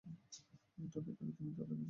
টাকা পেলেই, তুমি তাদের কাছে, আর আমি রুহির কাছে।